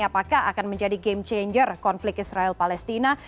apakah akan menjadi game changer konflik israel palestina